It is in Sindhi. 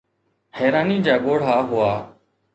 حيراني جا ڳوڙها هئا